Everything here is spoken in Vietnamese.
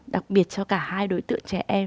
đặc biệt cho cả hai đối tượng trẻ em